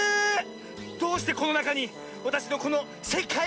どうしてこのなかにわたしのこのせかい